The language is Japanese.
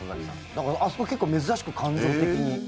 だからあそこ結構、珍しく感情的に。